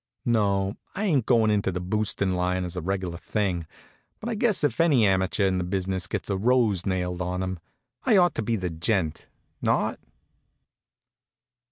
No, I ain't goin' into the boostin' line as a reg'lar thing; but I guess if any amateur in the business gets a rose nailed on him, I ought to be the gent. Not?